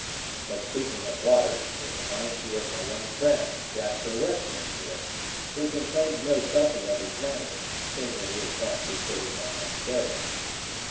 But speaking of water, it reminds me of my young friend, Jasper Western here, who can claim to know something of these matters, seeing that he has passed his days on Ontario."